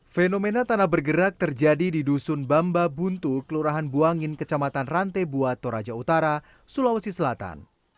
fenomena tanah bergerak terjadi di dusun bamba buntu kelurahan buangin kecamatan rantebua toraja utara sulawesi selatan